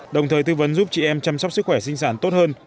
đồng thời tư vấn giúp chị em chăm sóc sức khỏe sinh sản tốt hơn